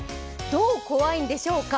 どう怖いんでしょうか？